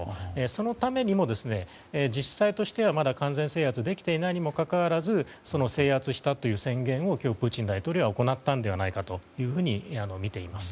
そのためにも実際としては完全制圧はできていないにもかかわらず制圧したという宣言を今日、プーチン大統領は行ったのではないかとみています。